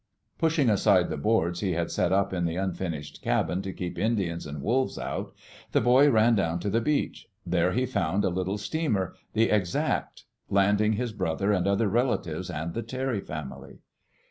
Pushing aside the boards he had set up in the unfinished cabin to keep Indians and wolves out, the boy ran down to the beach. There he found a little steamer, the Exact, landing his brother and other relatives and the Terry family.